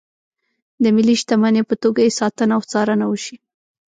د ملي شتمنۍ په توګه یې ساتنه او څارنه وشي.